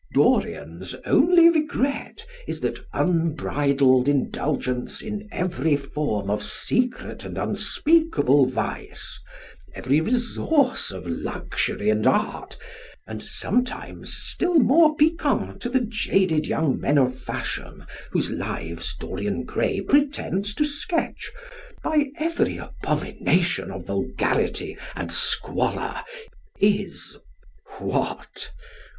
Dorian's only regret is that unbridled indulgence in every form of secret and unspeakable vice, every resource of luxury and art, and sometimes still more piquant to the jaded young man of fashion, whose lives "Dorian Gray" pretends to sketch, by every abomination of vulgarity and squalor is what?